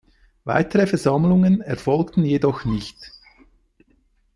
Weitere Versammlungen erfolgten jedoch nicht.